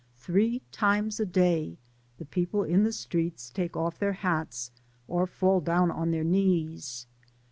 Three times a day the people in the streets take off their hats, or fall down on their knees.